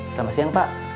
selamat siang pak